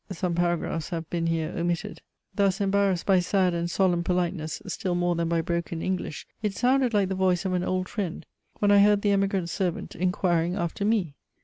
(Some paragraphs have been here omitted.) thus embarrassed by sad and solemn politeness still more than by broken English, it sounded like the voice of an old friend when I heard the emigrant's servant inquiring after me.